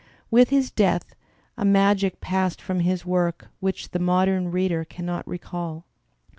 With his death a magic passed from his work which the modem reader cannot recall.